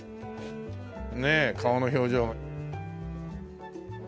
ねえ顔の表情。